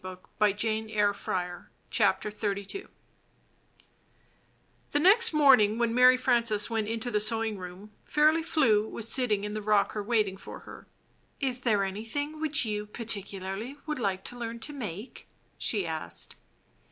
M v®rfc Mtry Brarices vent oMto HE next morning when Mary Frances went into the sewing room, Fairly Flew was sitting in the rocker waiting for her. "Is there anything which you particularly would like to learn to make?" she asked.